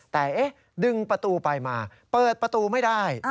แต่ดึงประตูไปมาเปิดประตูไม่ได้